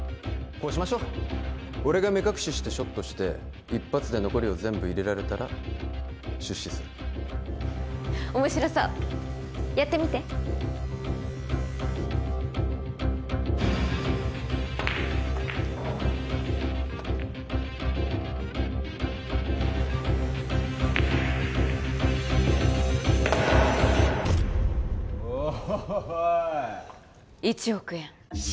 こうしましょう俺が目隠ししてショットして一発で残りを全部入れられたら出資する面白そうやってみておっほっほっほい１億円